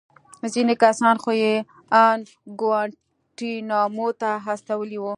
ځينې کسان خو يې ان گوانټانامو ته استولي وو.